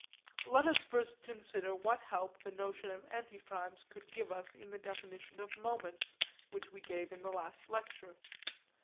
Let us first consider what help the notion of antiprimes could give us in the definition of moments which we gave in the last lecture.